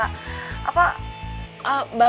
balok pake kepala